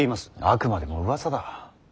あくまでもうわさだ。